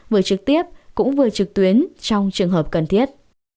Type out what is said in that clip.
vừa trực tiếp cũng vừa trực tuyến trong trường hợp cần thiết